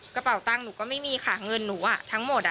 กระเป๋าตังค์หนูก็ไม่มีค่ะเงินหนูอ่ะทั้งหมด